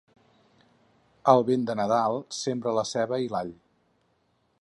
Al vent de Nadal sembra la ceba i l'all.